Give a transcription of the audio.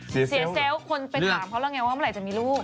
เสียเซลล์คนไปถามเขาแล้วไงว่าเมื่อไหร่จะมีลูก